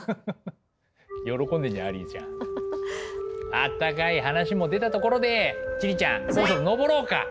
あったかい話も出たところで千里ちゃんそろそろ登ろうか。